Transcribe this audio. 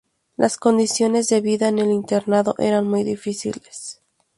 Las condiciones de vida en el internado eran muy difíciles.